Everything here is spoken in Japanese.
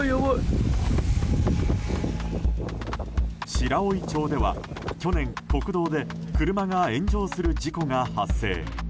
白老町では去年国道で車が炎上する事故が発生。